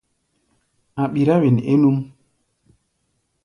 A̧ ɓirá wen é núʼm.